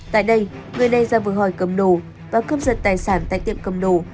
tại đây người đàn ông ra vừa hỏi cầm đồ và cướp dật tài sản tại tiệm cầm đồ